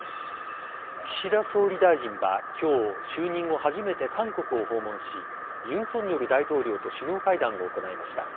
岸田総理大臣は今日就任後初めて韓国を訪問し尹錫悦大統領と首脳会談を行いました。